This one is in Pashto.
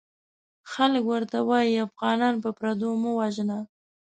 خلک ورته وايي افغانان په پردو مه وژنه!